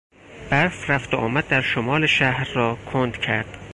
برف رفت و آمد در شمال شهر را کند کرد.